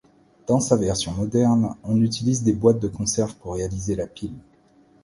Dans sa version moderne, on utilise des boîtes de conserves pour réaliser la pile.